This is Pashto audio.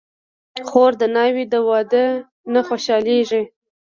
خور د ناوې د واده نه خوشحالېږي.